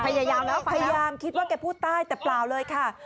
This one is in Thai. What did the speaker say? พยายามแล้วพยายามคิดว่าแกพูดใต้แต่เปล่าเลยค่ะ